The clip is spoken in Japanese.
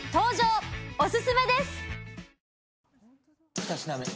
２品目。